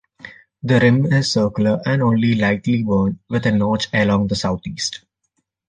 The rim is circular and only lightly worn, with a notch along the southeast.